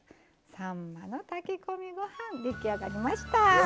さんまの炊き込みご飯出来上がりました。